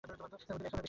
মদীনা এখনও বেশ দূর।